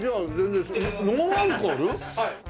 はい。